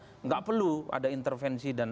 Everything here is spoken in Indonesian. tidak perlu ada intervensi dan